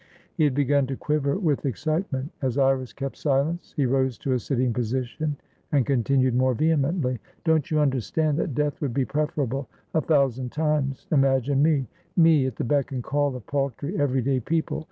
He had begun to quiver with excitement. As Iris kept silence, he rose to a sitting position, and continued more vehemently. "Don't you understand that death would be preferable, a thousand times? Imagine meme at the beck and call of paltry every day people!